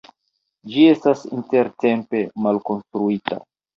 Ĝi estas intertempe malkonstruita.